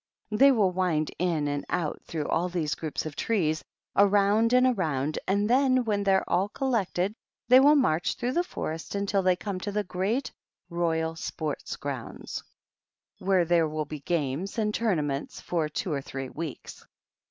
They will wind in and out through all these groups of trees, around and around, and then when they're all collected they will march through the forest until they come to the great Royal Sport Grounds, where there will THE PAGEANT. 296 be games and tournaments for two or three weeks.